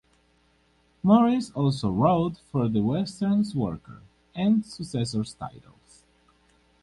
Morris also wrote for the "Western Worker" and successor titles.